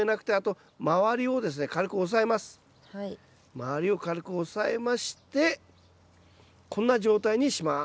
周りを軽く押さえましてこんな状態にします。